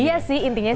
iya sih intinya sih